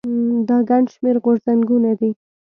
دا ګڼ شمېر غورځنګونه دي.